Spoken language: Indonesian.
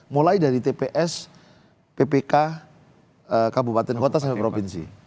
mulai dari tps ppk kabupaten kota sampai provinsi